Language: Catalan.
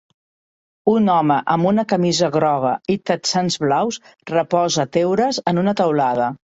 Un home amb una camisa groga i texans blaus reposa teules en una teulada.